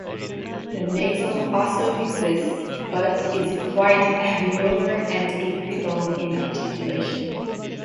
The nasal also exists but is quite alveolar and apical in articulation.